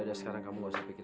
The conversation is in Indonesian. kalau ganggu teman saya lagi